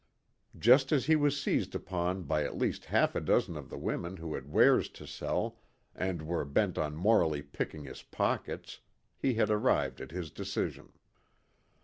Just as he was seized upon by at least half a dozen of the women who had wares to sell, and were bent on morally picking his pockets, he had arrived at his decision.